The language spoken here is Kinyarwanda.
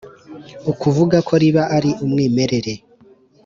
ukuvuga ko riba ari umwimerere